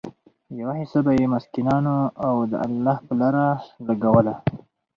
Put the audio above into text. يوه حيصه به ئي د مسکينانو او د الله په لاره لګوله